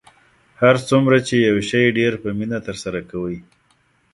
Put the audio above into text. هر څومره چې یو شی ډیر په مینه ترسره کوئ